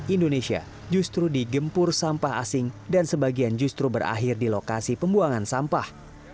indonesia justru digempur sampah asing dan sebagian justru berakhir di lokasi pembuangan sampah